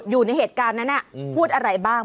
อยู่ในเหตุการณ์นั้นพูดอะไรบ้าง